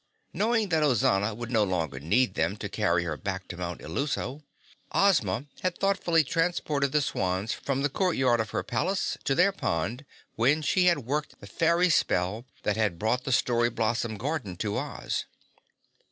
Knowing that Ozana would no longer need them to carry her back to Mount Illuso, Ozma had thoughtfully transported the swans from the court yard of her palace to their pond when she had worked the fairy spell that had brought the Story Blossom Garden to Oz.